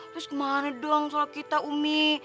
terus gimana dong sholat kita umi